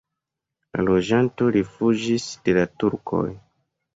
La loĝantoj rifuĝis de la turkoj.